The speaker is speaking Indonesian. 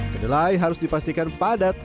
kedelai harus dipastikan padat